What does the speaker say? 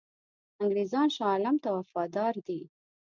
انګرېزان شاه عالم ته وفادار دي.